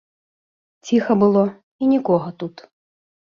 Ціха было, і нікога тут.